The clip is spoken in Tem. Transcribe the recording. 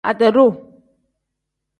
Ade-duu.